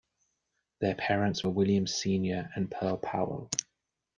Their parents were William, Senior and Pearl Powell.